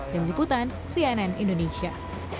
yang diputan cnn indonesia